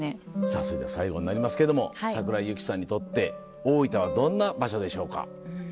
それでは最後になりますけども桜井ユキさんにとって大分はどんな場所でしょうか？